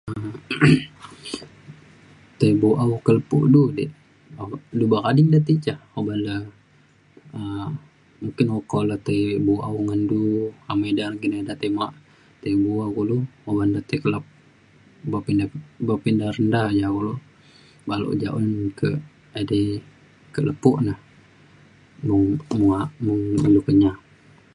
tai bu'au ka lepo du di', du bekading de ti ja uban le um mungkin oko le tai bu'au ngan du amai da re engkin eda tai ma- tai bu'a kulu. oban re tai kelap berpindah berpindah randah ja kulu. baluk ja un ke edai ke lepo na mung ilu Kenyah